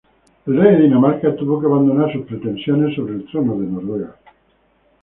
El rey de Dinamarca tuvo que abandonar sus pretensiones sobre el trono de Noruega.